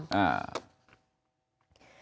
อ่า